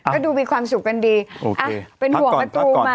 ก็ดูมีความสุขกันดีเป็นห่วงตัวมา